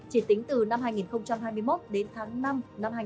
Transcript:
chỉ tính từ năm hai nghìn hai mươi một đến tháng năm năm hai nghìn hai mươi ba